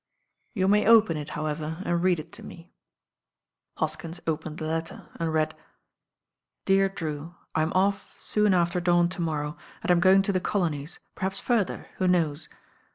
You may open it, however, and read it to me." Hoskins opened the letter and read: — "Dear Drew, "I'm off soon after dawn to morrow, and I'm going to the colonies, perhaps further, who knows?